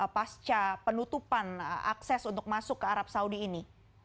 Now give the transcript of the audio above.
pasca penutupan akses untuk masuk ke arab saudi ini